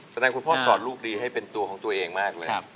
แต่ท่านท่ายพ่อกลุกดีให้เป็นตัวของตัวเองมากเลย